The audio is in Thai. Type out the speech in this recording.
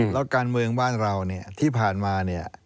แล้วการเมืองบ้านเราที่ผ่านมา